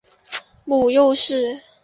母左氏。